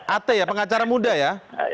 at ya pengacara muda ya